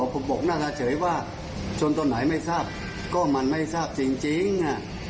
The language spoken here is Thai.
ก็มันไม่ทราบสิ่งจริง